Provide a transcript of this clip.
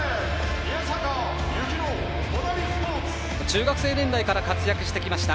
中学生年代から活躍してきました